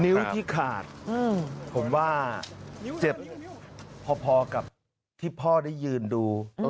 นิ้วที่ขาดผมว่าเจ็บพอกับที่พ่อได้ยืนดู